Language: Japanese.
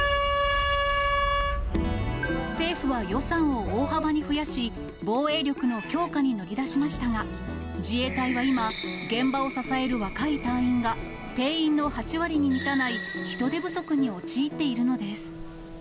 政府は予算を大幅に増やし、防衛力の強化に乗り出しましたが、自衛隊は今、現場を支える若い隊員が、定員の８割に満たない人手不足に陥っているのです。